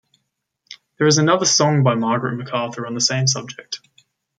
There is another song by Margaret MacArthur on the same subject.